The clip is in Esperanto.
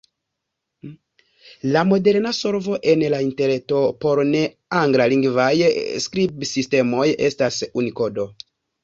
La moderna solvo en la Interreto por ne-anglalingvaj skribsistemoj estas Unikodo.